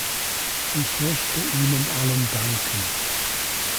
Ich möchte ihnen allen danken.